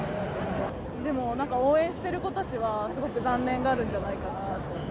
でも、応援している子たちはすごく残念がるんじゃないかなって。